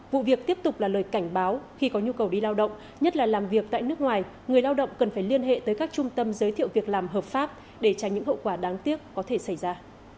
vụ việc tiếp tục là lời cảnh báo khi có nhu cầu đi lao động nhất là làm việc tại nước ngoài người lao động cần phải liên hệ tới các trung tâm giới thiệu việc làm hợp pháp để tránh những hậu quả đáng tiếc có thể xảy ra